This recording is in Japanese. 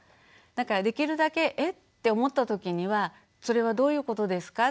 だからできるだけ「え？」って思った時には「それはどういうことですか？